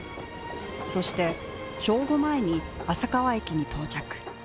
そして、正午前に浅川駅に到着。